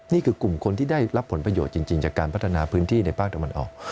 นี่คือกลุ่มคนที่ได้รับผลประโยชน์จริงจากการพัฒนาพื้นที่ในภาคตะวันออก